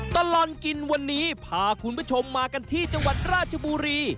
ตลอดกินวันนี้พาคุณผู้ชมมากันที่จังหวัดราชบุรี